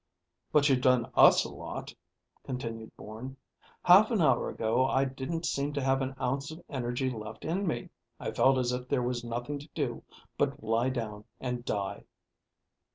"But you've done us a lot," continued Bourne. "Half an hour ago I didn't seem to have an ounce of energy left in me. I felt as if there was nothing to do but lie down and die."